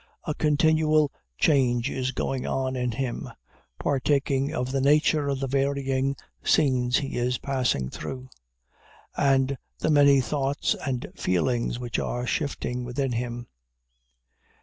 A continual change is going on in him, partaking of the nature of the varying scenes he is passing through, and the many thoughts and feelings which are shifting within him.